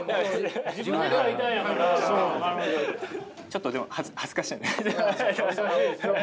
ちょっとでも恥ずかしい。